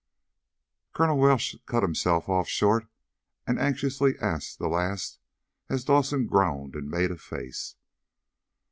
Colonel Welsh cut himself off short, and anxiously asked the last as Dawson groaned, and made a face.